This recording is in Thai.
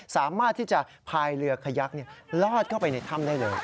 สามารถที่จะพายเรือขยักลอดเข้าไปในถ้ำได้เลย